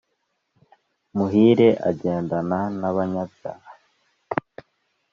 muhire agendana n’abanyabyaha